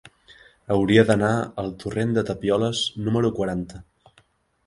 Hauria d'anar al torrent de Tapioles número quaranta.